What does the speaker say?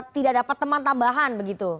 tidak dapat teman tambahan begitu